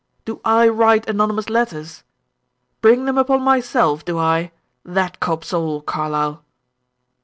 Do I write anonymous letters? Bring them upon myself, do I? That cobs all, Carlyle."